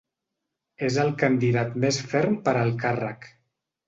És el candidat més ferm per al càrrec.